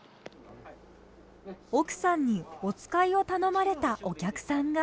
奥さんにおつかいを頼まれたお客さんが。